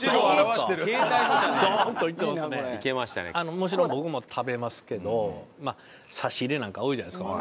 もちろん僕も食べますけど差し入れなんか多いじゃないですか。